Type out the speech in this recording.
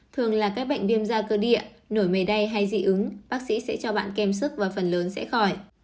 thường là các bệnh viêm da cơ địa nổi mề đay hay dị ứng bác sĩ sẽ cho bạn kem sức và phần lớn sẽ khỏi